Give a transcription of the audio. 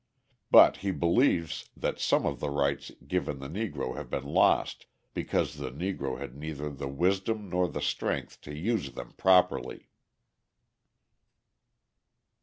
But he believes that some of the rights given the Negro have been lost because the Negro had neither the wisdom nor the strength to use them properly.